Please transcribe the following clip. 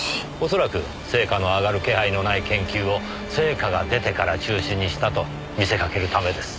恐らく成果の上がる気配のない研究を成果が出てから中止にしたと見せかけるためです。